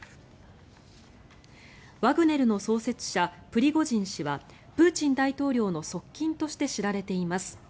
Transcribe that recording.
プリゴジン氏はプーチン大統領の側近として知られています。